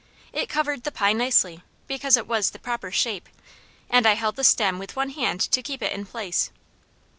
It covered the pie nicely, because it was the proper shape, and I held the stem with one hand to keep it in place.